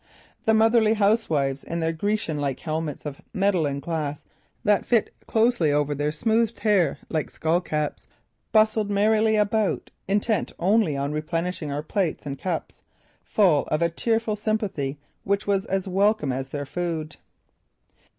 The motherly housewives, in their Grecian like helmets of metal and glass that fit closely over their smoothed hair like skull caps, bustled merrily about, intent only on replenishing our plates and cups, full of a tearful sympathy which was as welcome as their food.